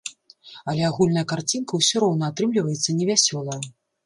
Але агульная карцінка ўсё роўна атрымліваецца невясёлая.